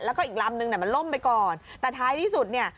แล้วก็อีกลำนึงน่ะมันล่มไปก่อนแต่ท้ายที่สุดเนี่ย